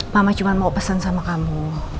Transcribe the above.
mama cuma mau pesan sama kamu